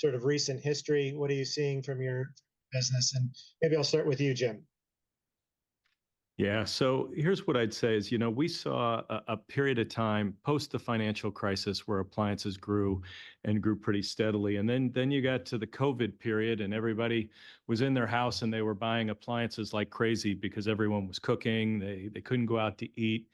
Sort of recent history, what are you seeing from your business? And maybe I'll start with you, Jim. Yeah, so here's what I'd say is, you know, we saw a period of time post the financial crisis where appliances grew and grew pretty steadily. And then you got to the COVID period, and everybody was in their house, and they were buying appliances like crazy because everyone was cooking. They couldn't go out to eat.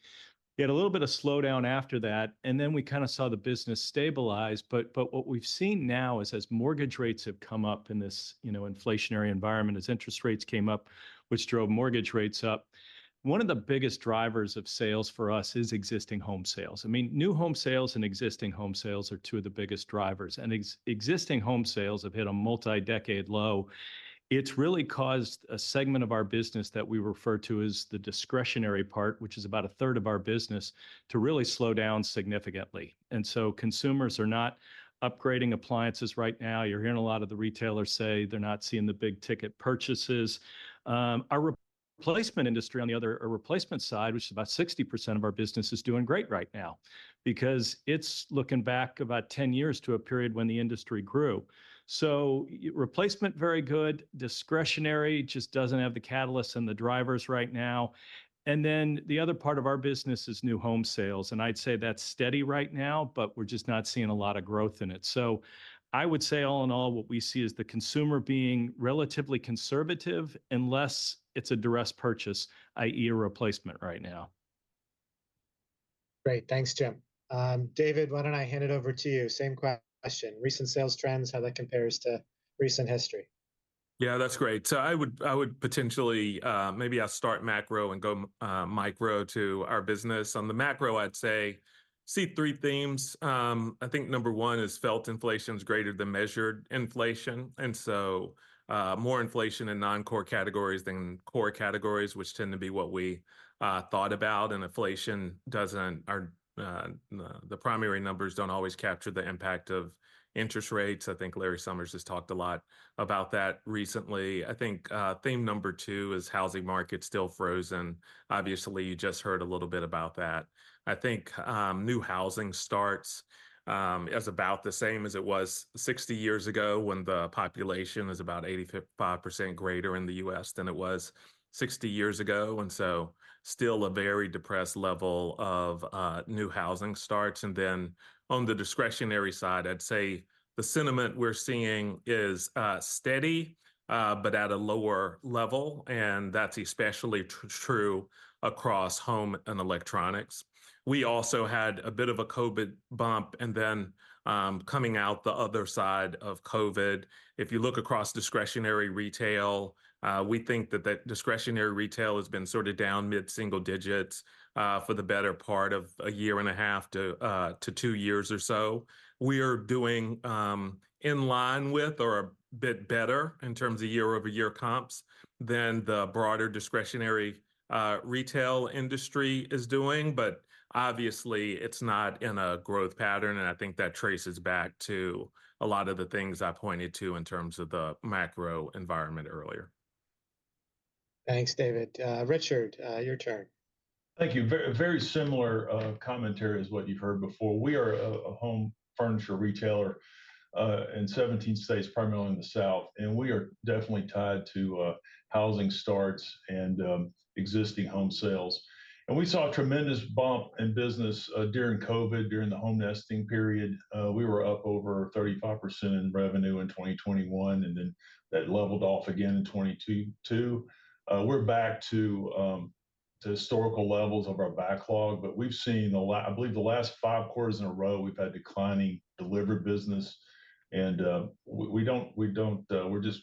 You had a little bit of slowdown after that, and then we kind of saw the business stabilize. But what we've seen now is as mortgage rates have come up in this, you know, inflationary environment, as interest rates came up, which drove mortgage rates up, one of the biggest drivers of sales for us is existing home sales. I mean, new home sales and existing home sales are two of the biggest drivers, and existing home sales have hit a multi-decade low. It's really caused a segment of our business that we refer to as the discretionary part, which is about 1/3 of our business, to really slow down significantly, and so consumers are not upgrading appliances right now. You're hearing a lot of the retailers say they're not seeing the big ticket purchases. Our replacement industry, on the other, replacement side, which is about 60% of our business, is doing great right now because it's looking back about 10 years to a period when the industry grew. So replacement, very good. Discretionary just doesn't have the catalysts and the drivers right now. Then the other part of our business is new home sales, and I'd say that's steady right now, but we're just not seeing a lot of growth in it. I would say, all in all, what we see is the consumer being relatively conservative unless it's a duress purchase, i.e., a replacement right now. Great. Thanks, Jim. David, why don't I hand it over to you? Same question: recent sales trends, how that compares to recent history. Yeah, that's great. So I would, I would potentially, maybe I'll start macro and go, micro to our business. On the macro, I'd say, see three themes. I think number one is felt inflation is greater than measured inflation, and so, more inflation in non-core categories than core categories, which tend to be what we, thought about, and inflation doesn't, our, the primary numbers don't always capture the impact of interest rates. I think Larry Summers has talked a lot about that recently. I think, theme number two is housing market still frozen. Obviously, you just heard a little bit about that. I think, new housing starts, is about the same as it was 60 years ago when the population was about 85% greater in the U.S. than it was 60 years ago, and so still a very depressed level of, new housing starts. Then on the discretionary side, I'd say the sentiment we're seeing is, steady, but at a lower level, and that's especially true across home and electronics. We also had a bit of a COVID bump, and then, coming out the other side of COVID, if you look across discretionary retail, we think that the discretionary retail has been sort of down mid-single digits, for the better part of a year and a half to, to two years or so. We are doing in line with or a bit better in terms of year-over-year comps than the broader discretionary retail industry is doing, but obviously, it's not in a growth pattern, and I think that traces back to a lot of the things I pointed to in terms of the macro environment earlier. Thanks, David. Richard, your turn. Thank you. Very similar commentary as what you've heard before. We are a home furniture retailer in 17 states, primarily in the South, and we are definitely tied to housing starts and existing home sales. We saw a tremendous bump in business during COVID, during the home nesting period. We were up over 35% in revenue in 2021, and then that leveled off again in 2022. We're back to historical levels of our backlog, but we've seen. I believe the last five quarters in a row, we've had declining delivered business, and we don't, we don't. We're just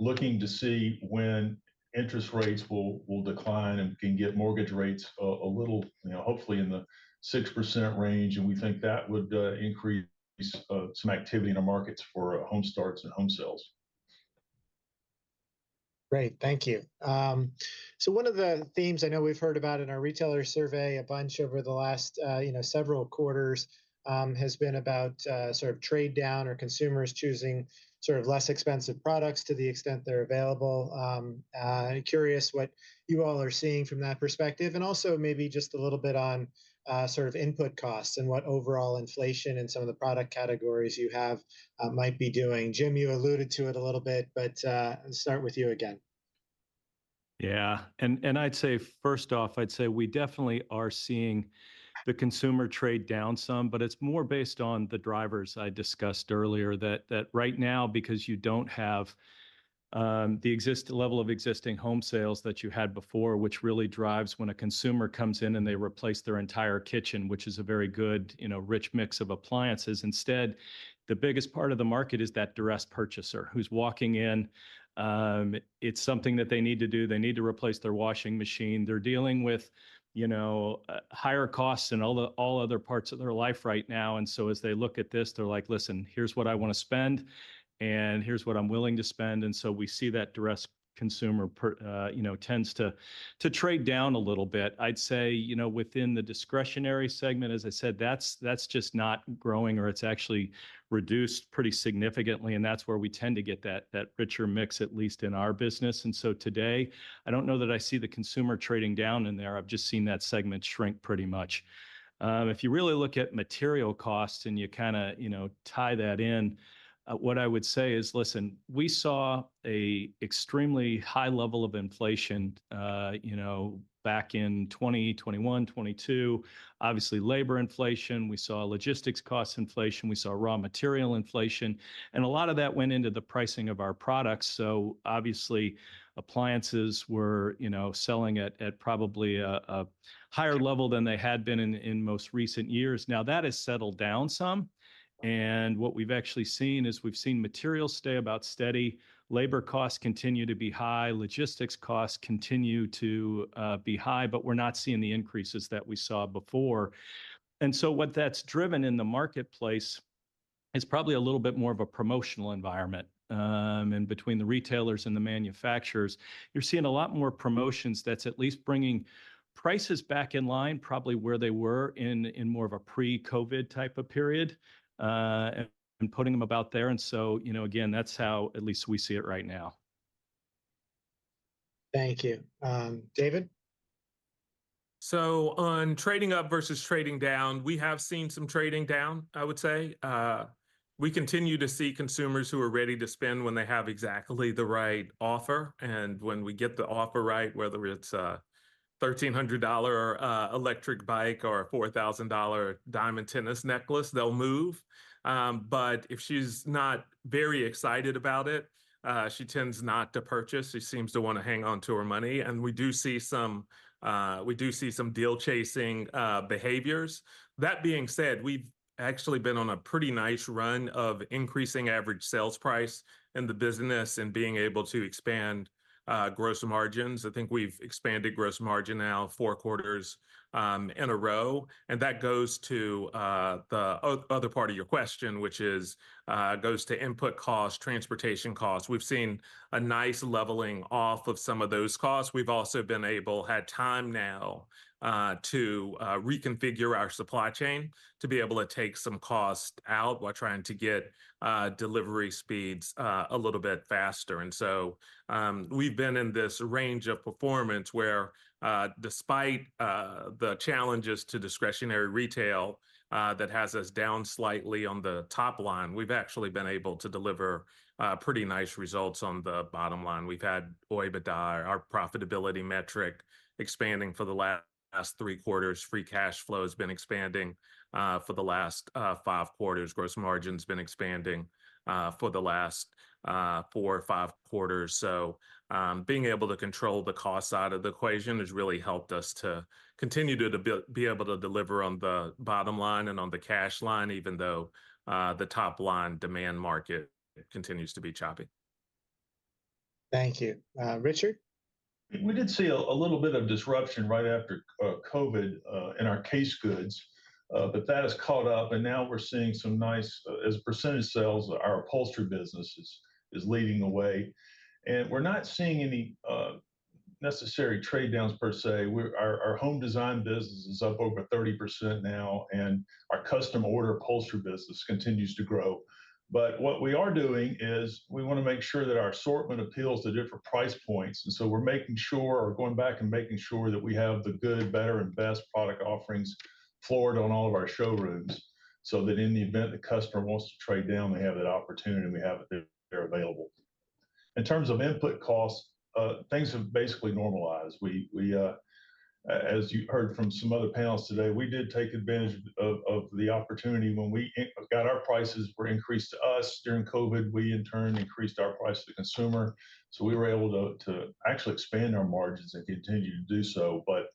looking to see when interest rates will decline and can get mortgage rates a little, you know, hopefully in the 6% range, and we think that would increase some activity in the markets for home starts and home sales. Great. Thank you. So one of the themes I know we've heard about in our retailer survey a bunch over the last, you know, several quarters, has been about, sort of trade down or consumers choosing sort of less expensive products to the extent they're available. I'm curious what you all are seeing from that perspective and also maybe just a little bit on, sort of input costs and what overall inflation in some of the product categories you have, might be doing. Jim, you alluded to it a little bit, but, let's start with you again. Yeah, and I'd say, first off, we definitely are seeing the consumer trade down some, but it's more based on the drivers I discussed earlier. That right now, because you don't have the level of existing home sales that you had before, which really drives when a consumer comes in and they replace their entire kitchen, which is a very good, you know, rich mix of appliances. Instead, the biggest part of the market is that duress purchaser who's walking in, it's something that they need to do. They need to replace their washing machine. They're dealing with, you know, higher costs in all the, all other parts of their life right now, and so as they look at this, they're like: "Listen, here's what I want to spend, and here's what I'm willing to spend," and so we see that distressed consumer, perhaps, you know, tends to trade down a little bit. I'd say, you know, within the discretionary segment, as I said, that's just not growing, or it's actually reduced pretty significantly, and that's where we tend to get that richer mix, at least in our business. And so today, I don't know that I see the consumer trading down in there. I've just seen that segment shrink pretty much. If you really look at material costs and you kind of, you know, tie that in, what I would say is, listen, we saw a extremely high level of inflation, you know, back in 2021, 2022. Obviously, labor inflation, we saw logistics cost inflation, we saw raw material inflation, and a lot of that went into the pricing of our products. So obviously, appliances were, you know, selling at probably a higher level than they had been in most recent years. Now, that has settled down some, and what we've actually seen is we've seen materials stay about steady. Labor costs continue to be high, logistics costs continue to be high, but we're not seeing the increases that we saw before. And so what that's driven in the marketplace—it's probably a little bit more of a promotional environment. And between the retailers and the manufacturers, you're seeing a lot more promotions that's at least bringing prices back in line, probably where they were in more of a pre-COVID type of period, and putting them about there. And so, you know, again, that's how at least we see it right now. Thank you. David? So on trading up versus trading down, we have seen some trading down, I would say. We continue to see consumers who are ready to spend when they have exactly the right offer, and when we get the offer right, whether it's a $1,300 electric bike or a $4,000 diamond tennis necklace, they'll move. But if she's not very excited about it, she tends not to purchase. She seems to wanna hang on to her money, and we do see some, we do see some deal-chasing behaviors. That being said, we've actually been on a pretty nice run of increasing average sales price in the business and being able to expand gross margins. I think we've expanded gross margin now four quarters in a row, and that goes to the other part of your question, which is goes to input cost, transportation cost. We've seen a nice leveling off of some of those costs. We've also been able, had time now to reconfigure our supply chain, to be able to take some cost out while trying to get delivery speeds a little bit faster. And so, we've been in this range of performance where, despite the challenges to discretionary retail, that has us down slightly on the top line, we've actually been able to deliver pretty nice results on the bottom line. We've had OIBDA, our profitability metric, expanding for the last three quarters. Free cash flow has been expanding for the last five quarters. Gross margin's been expanding for the last four or five quarters. So, being able to control the cost side of the equation has really helped us to continue to be able to deliver on the bottom line and on the cash line, even though the top-line demand market continues to be choppy. Thank you. Richard? We did see a little bit of disruption right after COVID in our case goods, but that has caught up, and now we're seeing some nice. As percentage sales, our upholstery business is leading the way, and we're not seeing any necessary trade downs per se. Our home design business is up over 30% now, and our custom order upholstery business continues to grow. But what we are doing is, we wanna make sure that our assortment appeals to different price points, and so we're making sure, or going back and making sure that we have the good, better, and best product offerings floored on all of our showrooms, so that in the event the customer wants to trade down, they have that opportunity, and we have it there available. In terms of input costs, things have basically normalized. As you heard from some other panels today, we did take advantage of the opportunity. When input costs were increased to us during COVID, we in turn increased our price to the consumer, so we were able to actually expand our margins and continue to do so. But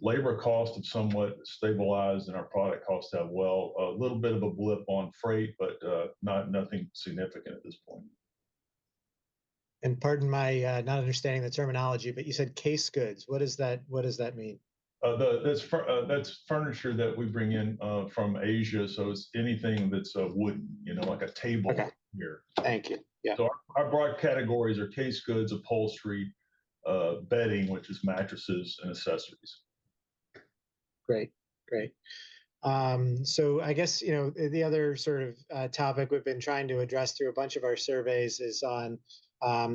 labor costs have somewhat stabilized, and our product costs have as well. A little bit of a blip on freight, but nothing significant at this point. Pardon my not understanding the terminology, but you said case goods. What is that? What does that mean? That's furniture that we bring in from Asia, so it's anything that's wooden, you know, like a table- Okay. Here. Thank you. Yeah. Our broad categories are case goods, upholstery, bedding, which is mattresses, and accessories. Great. Great. So I guess, you know, the other sort of topic we've been trying to address through a bunch of our surveys is on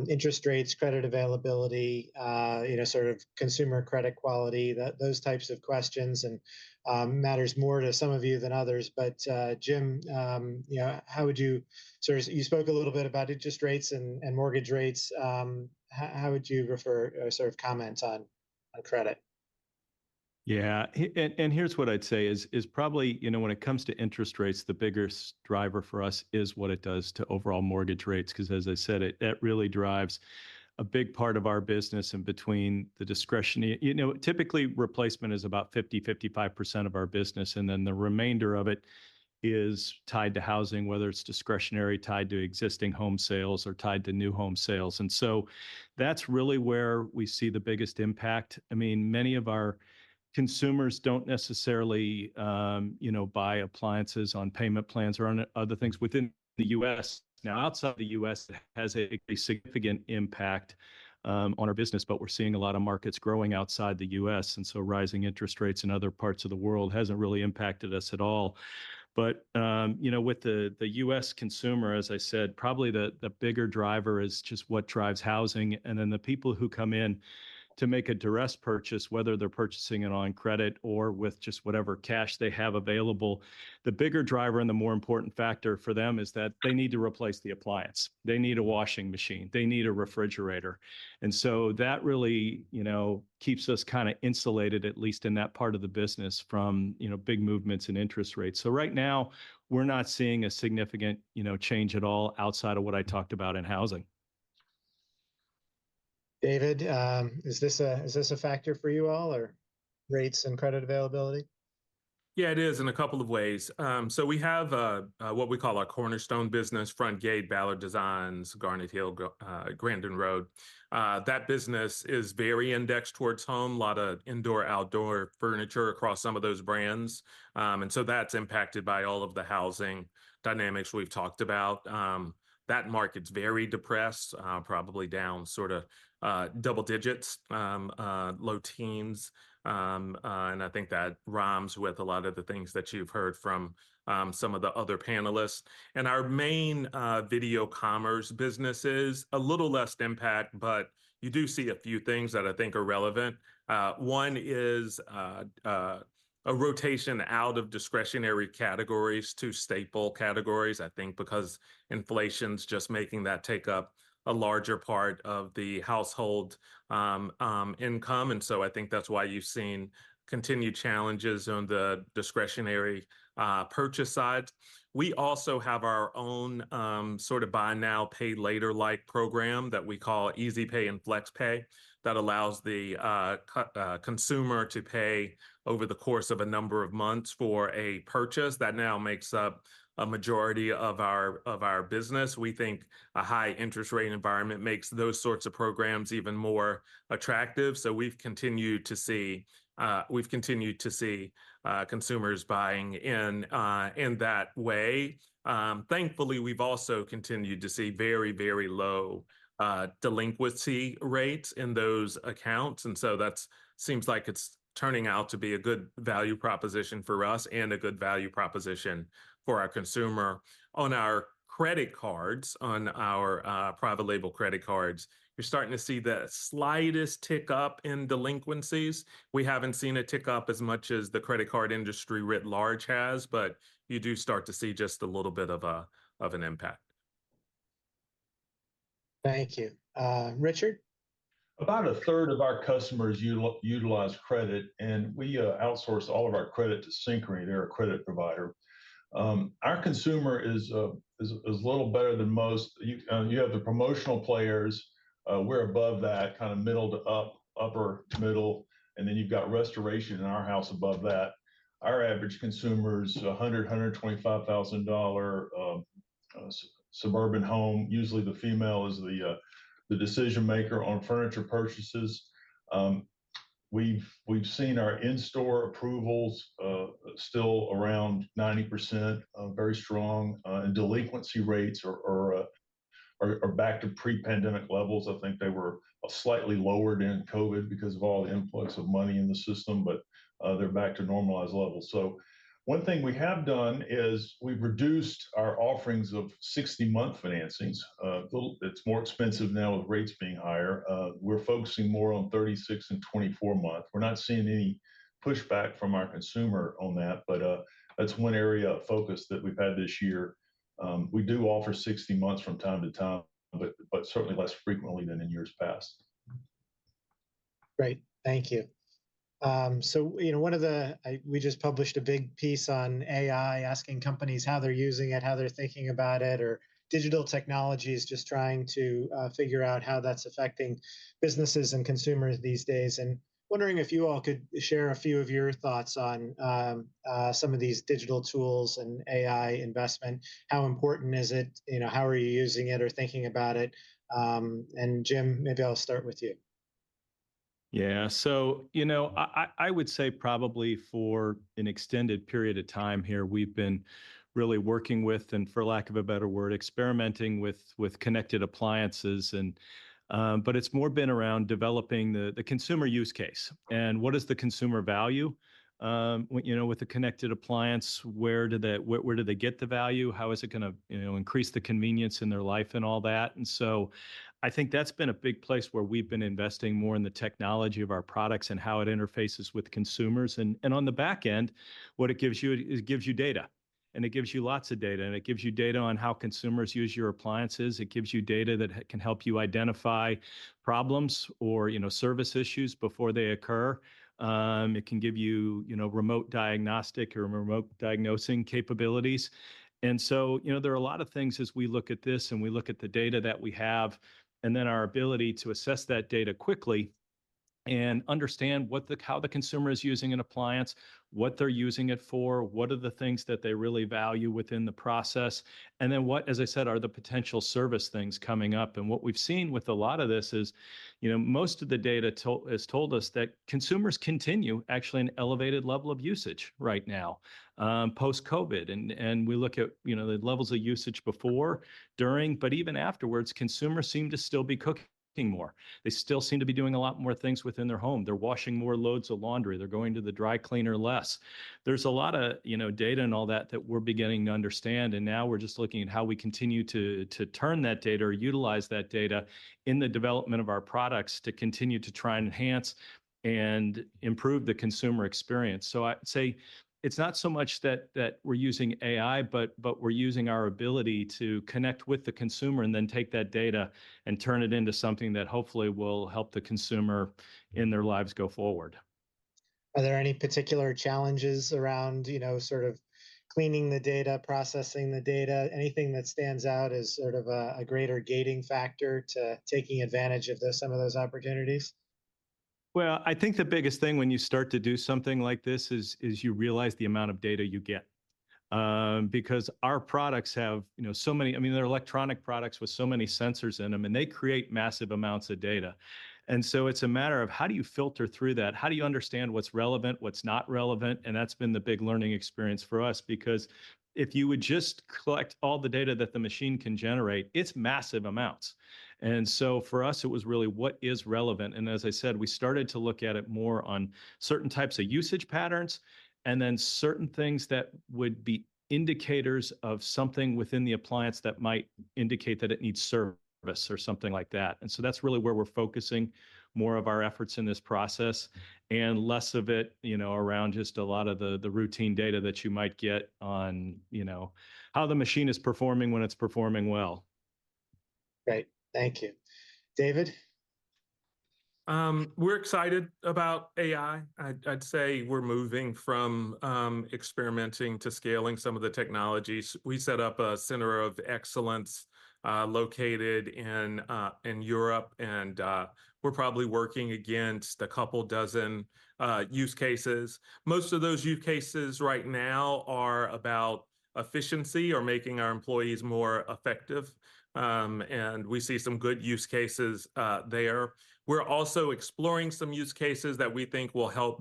interest rates, credit availability, you know, sort of consumer credit quality, those types of questions, and matters more to some of you than others. But, Jim, yeah, how would you sort of, you spoke a little bit about interest rates and mortgage rates. How would you refer or sort of comment on credit? Yeah, and here's what I'd say is probably, you know, when it comes to interest rates, the biggest driver for us is what it does to overall mortgage rates. 'Cause as I said, that really drives a big part of our business in between the discretionary, you know, typically, replacement is about 50%-55% of our business, and then the remainder of it is tied to housing, whether it's discretionary, tied to existing home sales or tied to new home sales, and so that's really where we see the biggest impact. I mean, many of our consumers don't necessarily, you know, buy appliances on payment plans or on other things within the U.S. Now, outside the U.S., it has a significant impact on our business, but we're seeing a lot of markets growing outside the U.S., and so rising interest rates in other parts of the world hasn't really impacted us at all. But, you know, with the U.S. consumer, as I said, probably the bigger driver is just what drives housing, and then the people who come in to make a duress purchase, whether they're purchasing it on credit or with just whatever cash they have available, the bigger driver and the more important factor for them is that they need to replace the appliance. They need a washing machine. They need a refrigerator. And so that really, you know, keeps us kind of insulated, at least in that part of the business from, you know, big movements in interest rates. Right now, we're not seeing a significant, you know, change at all outside of what I talked about in housing. David, is this a factor for you all, or rates and credit availability? Yeah, it is in a couple of ways. So we have what we call our Cornerstone business, Frontgate, Ballard Designs, Garnet Hill, Grandin Road. That business is very indexed towards home, a lot of indoor/outdoor furniture across some of those brands. And so that's impacted by all of the housing dynamics we've talked about. That market's very depressed, probably down sort of double digits, low teens. And I think that rhymes with a lot of the things that you've heard from some of the other panelists. And our main video commerce business is a little less impact, but you do see a few things that I think are relevant. One is a rotation out of discretionary categories to staple categories, I think because inflation's just making that take up a larger part of the household income. And so I think that's why you've seen continued challenges on the discretionary purchase side. We also have our own sort of buy now, pay later-like program that we call Easy Pay and FlexPay, that allows the consumer to pay over the course of a number of months for a purchase. That now makes up a majority of our, of our business. We think a high interest rate environment makes those sorts of programs even more attractive, so we've continued to see, we've continued to see consumers buying in that way. Thankfully, we've also continued to see very, very low delinquency rates in those accounts, and so that seems like it's turning out to be a good value proposition for us and a good value proposition for our consumer. On our credit cards, on our private label credit cards, you're starting to see the slightest tick-up in delinquencies. We haven't seen a tick-up as much as the credit card industry writ large has, but you do start to see just a little bit of an impact. Thank you. Richard? About 1/3 of our customers utilize credit, and we outsource all of our credit to Synchrony. They're a credit provider. Our consumer is a little better than most. You have the promotional players, we're above that, kind of middle to upper middle, and then you've got Restoration, and Arhaus above that. Our average consumer is a $125,000 suburban home. Usually the female is the decision-maker on furniture purchases. We've seen our in-store approvals still around 90%, very strong, and delinquency rates are back to pre-pandemic levels. I think they were slightly lower during COVID because of all the influx of money in the system, but they're back to normalized levels. So one thing we have done is we've reduced our offerings of 60-month financings. It's more expensive now with rates being higher. We're focusing more on 36- and 24-month. We're not seeing any pushback from our consumer on that, but that's one area of focus that we've had this year. We do offer 60 months from time to time, but certainly less frequently than in years past. Great. Thank you. So, you know, one of the, we just published a big piece on AI, asking companies how they're using it, how they're thinking about it, or digital technologies, just trying to figure out how that's affecting businesses and consumers these days. And wondering if you all could share a few of your thoughts on some of these digital tools and AI investment. How important is it? You know, how are you using it or thinking about it? And Jim, maybe I'll start with you. Yeah. So, you know, I would say probably for an extended period of time here, we've been really working with, and for lack of a better word, experimenting with connected appliances and, but it's more been around developing the consumer use case. And what is the consumer value? You know, with the connected appliance, where do they get the value? How is it gonna increase the convenience in their life and all that? And so I think that's been a big place where we've been investing more in the technology of our products and how it interfaces with consumers. And on the back end, what it gives you, it gives you data, and it gives you lots of data, and it gives you data on how consumers use your appliances. It gives you data that can help you identify problems or, you know, service issues before they occur. It can give you, you know, remote diagnostic or remote diagnosing capabilities. So, you know, there are a lot of things as we look at this and we look at the data that we have, and then our ability to assess that data quickly and understand how the consumer is using an appliance, what they're using it for, what are the things that they really value within the process, and then what, as I said, are the potential service things coming up? What we've seen with a lot of this is, you know, most of the data has told us that consumers continue actually at an elevated level of usage right now, post-COVID. We look at, you know, the levels of usage before, during, but even afterwards, consumers seem to still be cooking more. They still seem to be doing a lot more things within their home. They're washing more loads of laundry. They're going to the dry cleaner less. There's a lot of, you know, data and all that that we're beginning to understand, and now we're just looking at how we continue to turn that data or utilize that data in the development of our products to continue to try and enhance and improve the consumer experience. So I'd say it's not so much that we're using AI, but we're using our ability to connect with the consumer and then take that data and turn it into something that hopefully will help the consumer in their lives go forward. Are there any particular challenges around, you know, sort of cleaning the data, processing the data? Anything that stands out as sort of a greater gating factor to taking advantage of those, some of those opportunities? Well, I think the biggest thing when you start to do something like this is you realize the amount of data you get, because our products have, you know, so many—I mean, they're electronic products with so many sensors in them, and they create massive amounts of data. And so it's a matter of how do you filter through that? How do you understand what's relevant, what's not relevant? And that's been the big learning experience for us, because if you would just collect all the data that the machine can generate, it's massive amounts. And so for us, it was really what is relevant, and as I said, we started to look at it more on certain types of usage patterns, and then certain things that would be indicators of something within the appliance that might indicate that it needs service or something like that. And so that's really where we're focusing more of our efforts in this process and less of it, you know, around just a lot of the routine data that you might get on, you know, how the machine is performing when it's performing well. Great, thank you. David? We're excited about AI. I'd say we're moving from experimenting to scaling some of the technologies. We set up a center of excellence, located in Europe, and we're probably working against a couple dozen use cases. Most of those use cases right now are about efficiency or making our employees more effective. And we see some good use cases there. We're also exploring some use cases that we think will help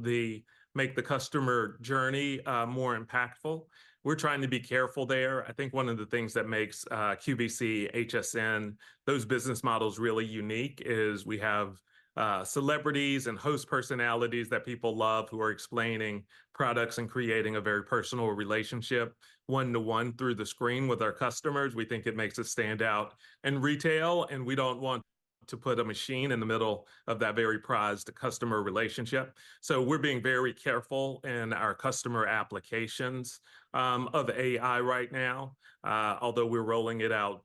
make the customer journey more impactful. We're trying to be careful there. I think one of the things that makes QVC, HSN, those business models really unique is we have celebrities and host personalities that people love, who are explaining products and creating a very personal relationship, one-to-one through the screen with our customers. We think it makes us stand out in retail, and we don't want to put a machine in the middle of that very prized customer relationship. So we're being very careful in our customer applications of AI right now, although we're rolling it out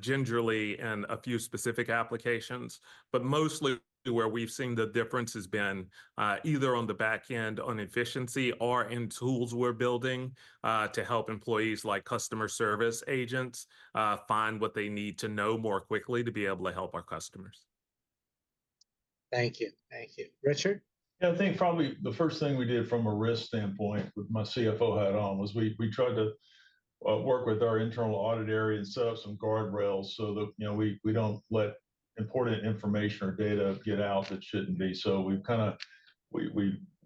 gingerly in a few specific applications. But mostly where we've seen the difference has been either on the back end on efficiency or in tools we're building to help employees like customer service agents find what they need to know more quickly to be able to help our customers. Thank you. Thank you. Richard? Yeah, I think probably the first thing we did from a risk standpoint, with my CFO hat on, was we tried to work with our internal audit area and set up some guardrails so that, you know, we don't let important information or data get out that shouldn't be. So we've kind of.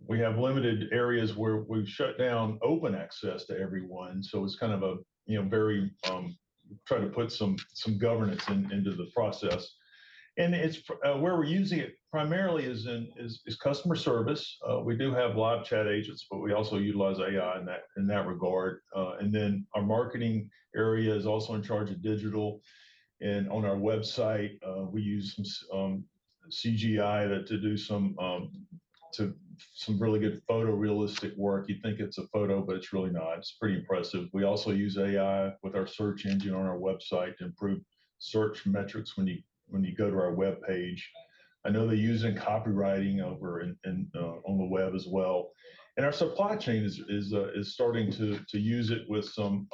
We have limited areas where we've shut down open access to everyone, so it's kind of a, you know, very trying to put some governance into the process. And it's where we're using it primarily is in customer service. We do have live chat agents, but we also utilize AI in that regard. And then our marketing area is also in charge of digital, and on our website, we use some CGI to do some really good photorealistic work. You'd think it's a photo, but it's really not. It's pretty impressive. We also use AI with our search engine on our website to improve search metrics when you go to our webpage. I know they're using copywriting over on the web as well. And our supply chain is starting to use it with some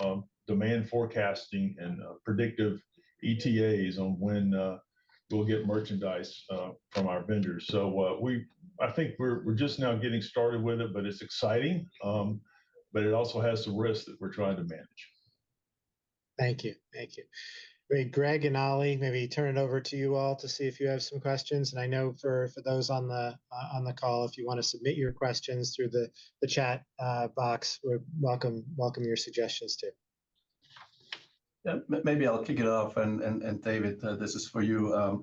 demand forecasting and predictive ETAs on when we'll get merchandise from our vendors. So, I think we're just now getting started with it, but it's exciting. But it also has some risks that we're trying to manage. Thank you. Thank you. Great, Greg and Oli, maybe turn it over to you all to see if you have some questions. And I know for those on the call, if you want to submit your questions through the chat box, we'd welcome your suggestions, too. Yeah, maybe I'll kick it off, and David, this is for you.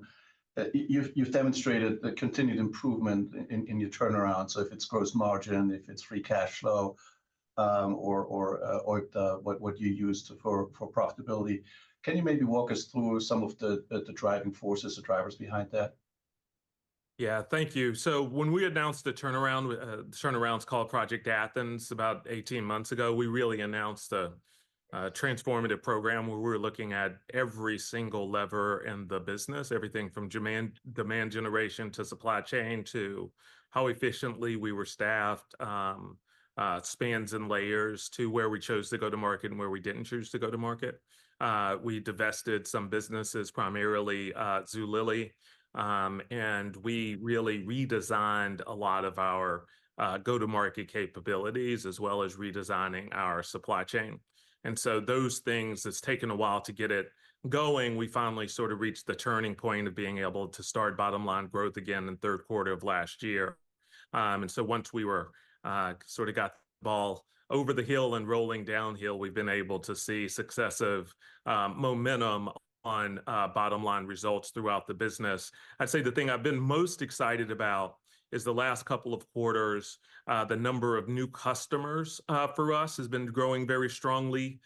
You've demonstrated a continued improvement in your turnaround, so if it's gross margin, if it's free cash flow, or the what you used for profitability. Can you maybe walk us through some of the driving forces or drivers behind that? Yeah. Thank you. So when we announced the turnaround, the turnaround's called Project Athens, about 18 months ago, we really announced a transformative program where we were looking at every single lever in the business, everything from demand, demand generation to supply chain, to how efficiently we were staffed, spans and layers, to where we chose to go to market and where we didn't choose to go to market. We divested some businesses, primarily, Zulily. And we really redesigned a lot of our go-to-market capabilities, as well as redesigning our supply chain. And so those things, it's taken a while to get it going. We finally sort of reached the turning point of being able to start bottom-line growth again in the third quarter of last year. And so once we were sort of got the ball over the hill and rolling downhill, we've been able to see successive momentum on bottom-line results throughout the business. I'd say the thing I've been most excited about is the last couple of quarters, the number of new customers for us has been growing very strongly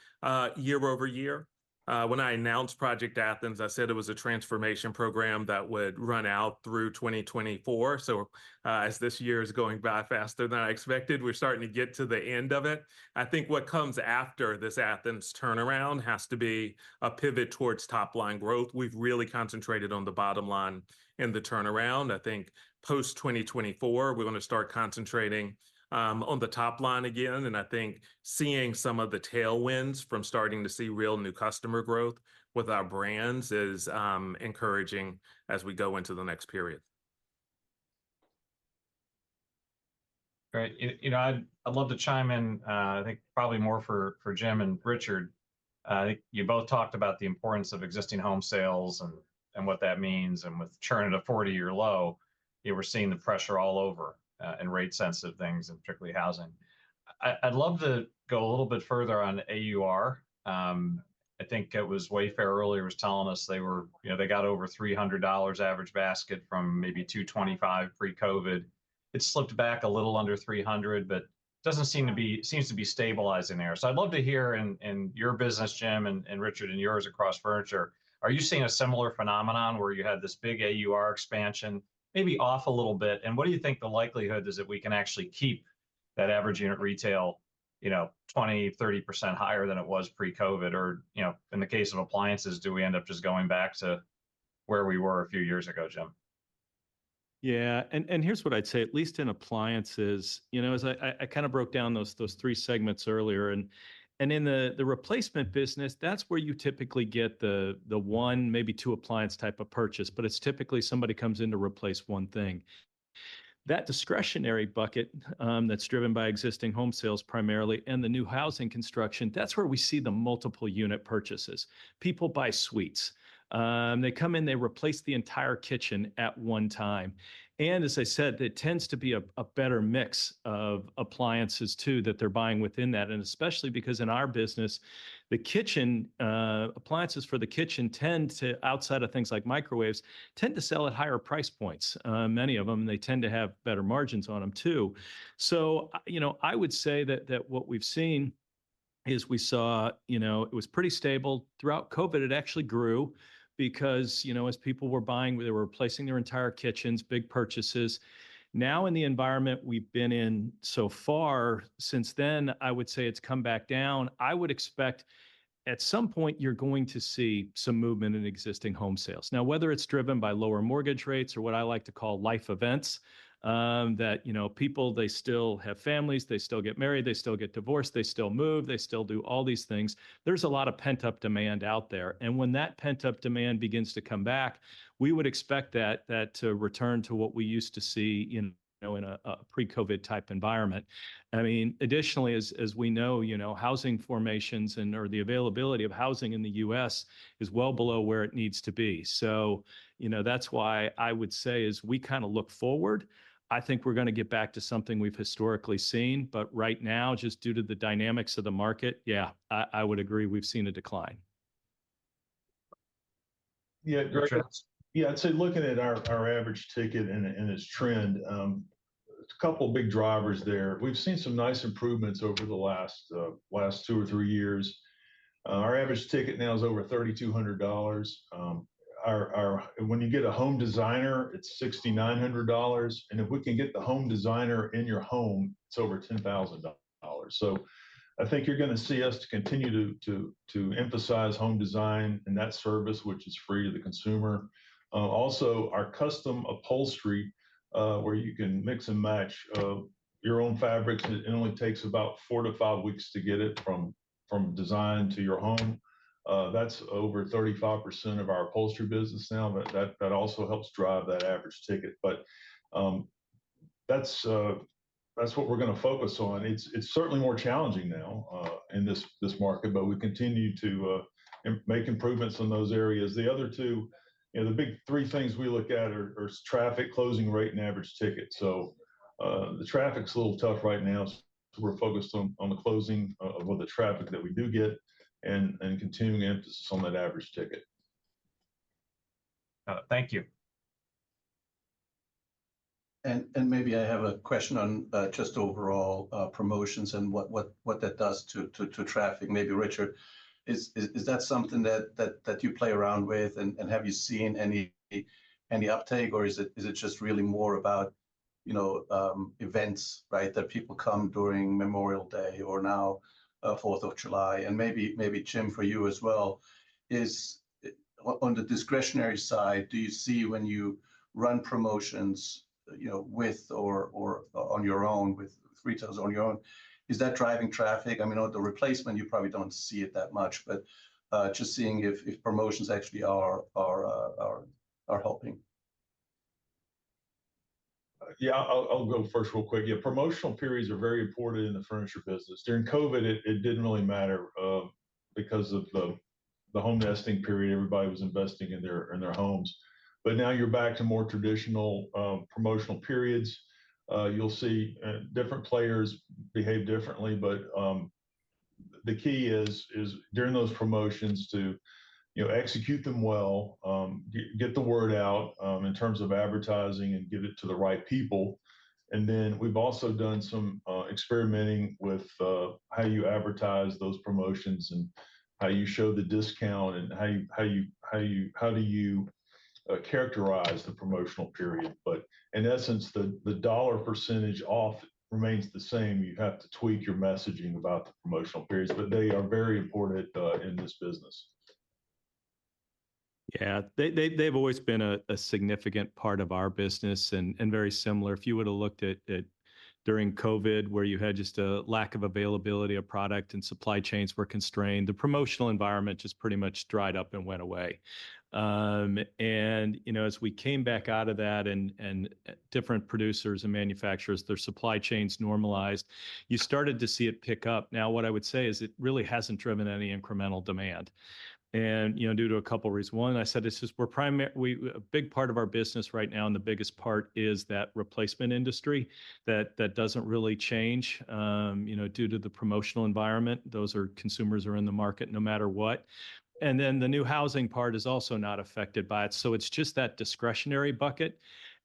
year-over-year. When I announced Project Athens, I said it was a transformation program that would run out through 2024, so as this year is going by faster than I expected, we're starting to get to the end of it. I think what comes after this Athens turnaround has to be a pivot towards top-line growth. We've really concentrated on the bottom line in the turnaround. I think post-2024, we're gonna start concentrating on the top line again, and I think seeing some of the tailwinds from starting to see real new customer growth with our brands is encouraging as we go into the next period. Great. You know, I'd love to chime in, I think probably more for Jim and Richard. You both talked about the importance of existing home sales and what that means, and with churn at a 40-year low, yeah, we're seeing the pressure all over in rate-sensitive things and particularly housing. I'd love to go a little bit further on AUR. I think it was Wayfair earlier was telling us they were, you know, they got over $300 average basket from maybe $225 pre-COVID. It slipped back a little under $300, but doesn't seem to be- seems to be stabilizing there. So I'd love to hear in your business, Jim, and Richard, in yours across furniture, are you seeing a similar phenomenon where you had this big AUR expansion, maybe off a little bit? What do you think the likelihood is that we can actually keep that average unit retail, you know, 20%-30% higher than it was pre-COVID or, you know, in the case of appliances, do we end up just going back to where we were a few years ago, Jim? Yeah, and here's what I'd say, at least in appliances, you know, is I kind of broke down those three segments earlier and in the replacement business, that's where you typically get the one, maybe two appliance type of purchase, but it's typically somebody comes in to replace one thing. That discretionary bucket, that's driven by existing home sales primarily and the new housing construction, that's where we see the multiple unit purchases. People buy suites. They come in, they replace the entire kitchen at one time, and as I said, it tends to be a better mix of appliances, too, that they're buying within that, and especially because in our business, the kitchen appliances for the kitchen tend to, outside of things like microwaves, tend to sell at higher price points. Many of them, they tend to have better margins on them, too. So, you know, I would say that, that what we've seen is we saw, you know, it was pretty stable. Throughout COVID, it actually grew because, you know, as people were buying, they were replacing their entire kitchens, big purchases. Now, in the environment we've been in so far since then, I would say it's come back down. I would expect at some point you're going to see some movement in existing home sales. Now, whether it's driven by lower mortgage rates or what I like to call life events, that, you know, people, they still have families, they still get married, they still get divorced, they still move, they still do all these things. There's a lot of pent-up demand out there, and when that pent-up demand begins to come back, we would expect that to return to what we used to see in, you know, in a pre-COVID type environment. I mean, additionally, as we know, you know, housing formations and, or the availability of housing in the U.S. is well below where it needs to be. So, you know, that's why I would say, as we kind of look forward, I think we're gonna get back to something we've historically seen. But right now, just due to the dynamics of the market, yeah, I would agree, we've seen a decline. Yeah, great. Yeah, I'd say looking at our average ticket and its trend, a couple big drivers there. We've seen some nice improvements over the last 2 or 3 years. Our average ticket now is over $3,200. When you get a home designer, it's $6,900, and if we can get the home designer in your home, it's over $10,000. So I think you're gonna see us continue to emphasize home design and that service, which is free to the consumer. Also, our custom upholstery, where you can mix and match your own fabrics, it only takes about 4-5 weeks to get it from design to your home. That's over 35% of our upholstery business now, but that also helps drive that average ticket. But, that's what we're gonna focus on. It's certainly more challenging now in this market, but we continue to make improvements in those areas. The other two, you know, the big three things we look at are traffic, closing rate, and average ticket. So, the traffic's a little tough right now, so we're focused on the closing of the traffic that we do get and continuing to emphasis on that average ticket. Thank you. Maybe I have a question on just overall promotions and what that does to traffic. Maybe Richard, is that something that you play around with, and have you seen any uptake, or is it just really more about, you know, events, right, that people come during Memorial Day or now Fourth of July? And maybe Jim, for you as well, is on the discretionary side, do you see when you run promotions, you know, with or on your own, with retailers on your own, is that driving traffic? I mean, on the replacement, you probably don't see it that much, but just seeing if promotions actually are helping. Yeah, I'll go first real quick. Yeah, promotional periods are very important in the furniture business. During COVID, it didn't really matter, because of the home nesting period, everybody was investing in their homes. But now you're back to more traditional promotional periods. You'll see different players behave differently, but the key is during those promotions to, you know, execute them well, get the word out, in terms of advertising, and get it to the right people. And then we've also done some experimenting with how you advertise those promotions and how you show the discount and how you characterize the promotional period. But in essence, the dollar percentage off remains the same. You have to tweak your messaging about the promotional periods, but they are very important in this business. Yeah. They've always been a significant part of our business, and very similar. If you were to looked at during COVID, where you had just a lack of availability of product and supply chains were constrained, the promotional environment just pretty much dried up and went away. And, you know, as we came back out of that and, and, different producers and manufacturers, their supply chains normalized, you started to see it pick up. Now, what I would say is it really hasn't driven any incremental demand, and, you know, due to a couple reasons. One, I said, this is, we're a big part of our business right now, and the biggest part, is that replacement industry that doesn't really change, you know, due to the promotional environment. Those are, consumers are in the market no matter what. Then the new housing part is also not affected by it. So it's just that discretionary bucket,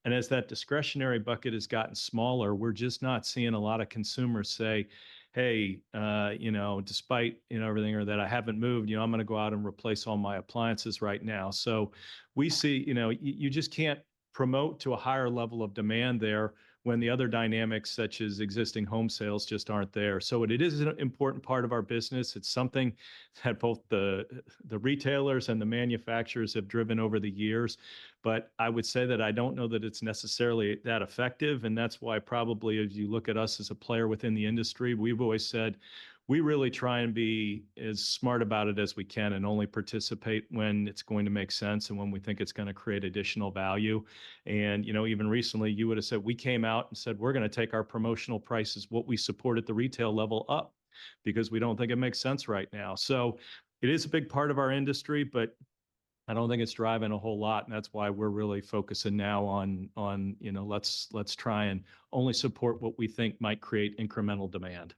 and as that discretionary bucket has gotten smaller, we're just not seeing a lot of consumers say, "Hey, you know, despite, you know, everything or that I haven't moved, you know, I'm gonna go out and replace all my appliances right now." So we see, you know, you just can't promote to a higher level of demand there when the other dynamics, such as existing home sales, just aren't there. So it is an important part of our business. It's something that both the retailers and the manufacturers have driven over the years, but I would say that I don't know that it's necessarily that effective, and that's why probably as you look at us as a player within the industry, we've always said we really try and be as smart about it as we can and only participate when it's going to make sense and when we think it's gonna create additional value. You know, even recently, you would've said we came out and said, "We're gonna take our promotional prices, what we support at the retail level, up because we don't think it makes sense right now." So it is a big part of our industry, but I don't think it's driving a whole lot, and that's why we're really focusing now on, you know, let's try and only support what we think might create incremental demand.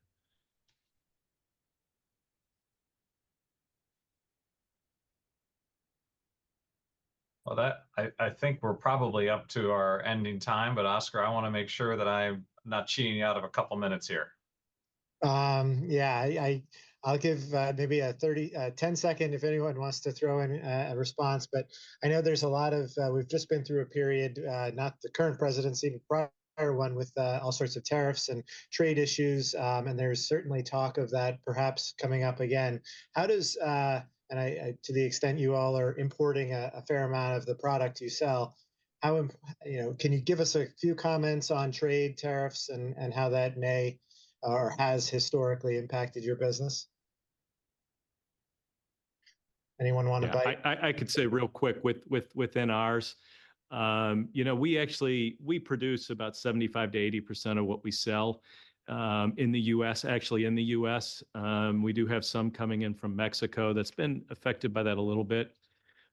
Well, I think we're probably up to our ending time, but Oscar, I want to make sure that I'm not cheating you out of a couple minutes here. Yeah, I'll give maybe a 30, a 10-second if anyone wants to throw in a response, but I know there's a lot of, we've just been through a period, not the current presidency, but prior one with all sorts of tariffs and trade issues. And there's certainly talk of that perhaps coming up again. How does, and to the extent you all are importing a fair amount of the product you sell, how, you know, can you give us a few comments on trade tariffs and how that may or has historically impacted your business? Anyone want to bite? Yeah, I could say real quick with, within ours, you know, we actually, we produce about 75%-80% of what we sell, in the U.S. Actually, in the U.S., we do have some coming in from Mexico that's been affected by that a little bit.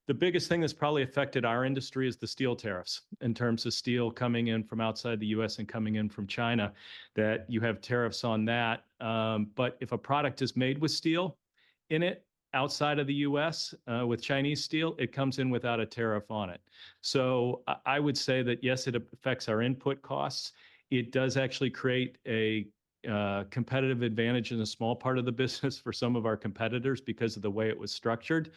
The biggest thing that's probably affected our industry is the steel tariffs, in terms of steel coming in from outside the U.S. and coming in from China, that you have tariffs on that. But if a product is made with steel in it, outside of the U.S., with Chinese steel, it comes in without a tariff on it. So I would say that, yes, it affects our input costs. It does actually create a competitive advantage in a small part of the business for some of our competitors because of the way it was structured.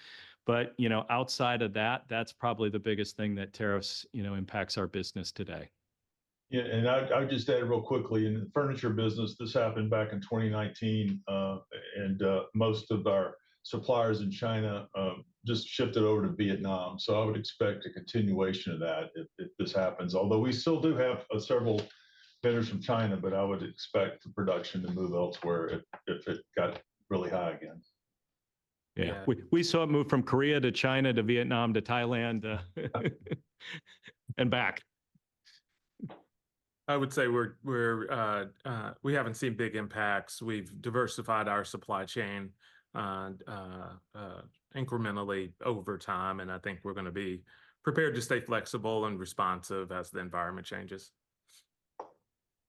But, you know, outside of that, that's probably the biggest thing that tariffs, you know, impacts our business today. Yeah, and I would just add real quickly, in the furniture business, this happened back in 2019, and most of our suppliers in China just shifted over to Vietnam. So I would expect a continuation of that if this happens, although we still do have several vendors from China, but I would expect the production to move elsewhere if it got really high again. Yeah. Yeah, we saw it move from Korea to China to Vietnam to Thailand, and back. I would say we haven't seen big impacts. We've diversified our supply chain incrementally over time, and I think we're gonna be prepared to stay flexible and responsive as the environment changes.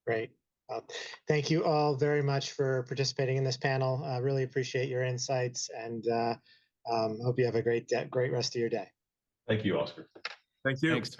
Great. Thank you all very much for participating in this panel. I really appreciate your insights, and hope you have a great rest of your day. Thank you, Oscar. Thank you. Thanks, guys.